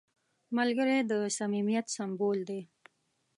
ملګری د صمیمیت سمبول دی